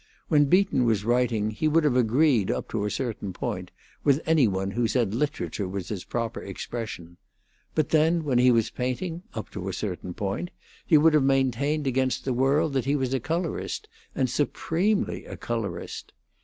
When Beaton was writing, he would have agreed, up to a certain point, with any one who said literature was his proper expression; but, then, when he was painting, up to a certain point, he would have maintained against the world that he was a colorist, and supremely a colorist.